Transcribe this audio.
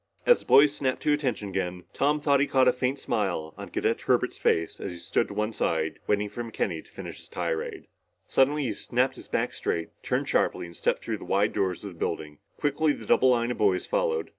As the boys snapped to attention again, Tom thought he caught a faint smile on Cadet Herbert's face as he stood to one side waiting for McKenny to finish his tirade. Suddenly he snapped his back straight, turned sharply and stepped through the wide doors of the building. Quickly the double line of boys followed.